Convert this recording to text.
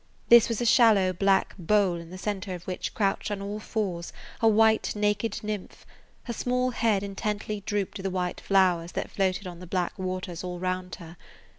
This was a shallow black bowl in the center of which crouched on all fours a white, naked nymph, her small head intently drooped to the white flowers that floated on the black waters all around her.